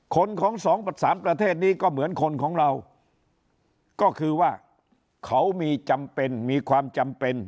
ของสองสามประเทศนี้ก็เหมือนคนของเราก็คือว่าเขามีจำเป็นมีความจำเป็น